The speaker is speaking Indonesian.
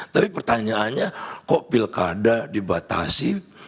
tapi pertanyaannya kok pilkada dibatasi